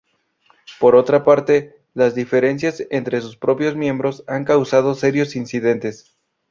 Por otra parte, las diferencias entre sus propios miembros han causado serios incidentes.